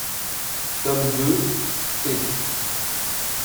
Tome deux, p.